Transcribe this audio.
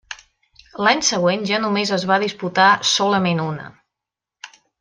L'any següent ja només es va disputar solament una.